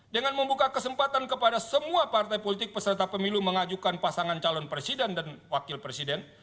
dengan membuka kesempatan kepada semua partai politik peserta pemilu mengajukan pasangan calon presiden dan wakil presiden